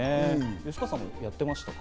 吉川さん、やってました？